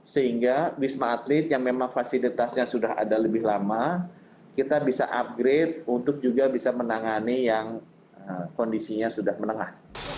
sehingga wisma atlet yang memang fasilitasnya sudah ada lebih lama kita bisa upgrade untuk juga bisa menangani yang kondisinya sudah menengah